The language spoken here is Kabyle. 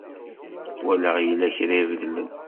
Walaɣ yella kra ibeddlen.